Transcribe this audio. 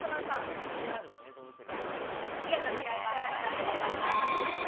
ＶＲの映像を見せる。